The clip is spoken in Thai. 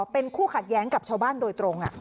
เป็นคู่ขัดแย้งกับชาวบ้านโดยตรง